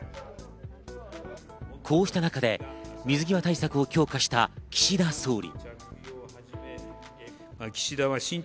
こうした中で水際対策を強化した岸田総理。